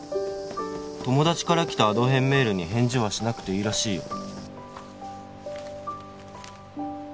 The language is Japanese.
「友達からきたアド変メールに返事はしなくていいらしいよ」